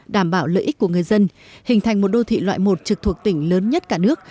đảm bảo lợi ích của người dân hình thành một đô thị loại một trực thuộc tỉnh lớn nhất cả nước